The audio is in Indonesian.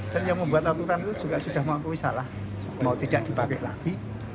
dan yang membuat aturan itu juga sudah mengaku salah mau tidak dibagai lagi